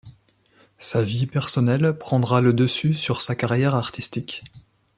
Sa vie personnelle prendra le dessus sur sa carrière artistique.